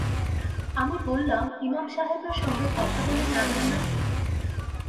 আমি বললাম, ইমাম সাহেবের সঙ্গে কথা বলে যাবেন না?